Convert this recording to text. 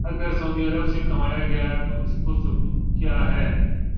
اگر Saudi Arab سے کمایا گیا تو اس کا ثبوت کیا ہے؟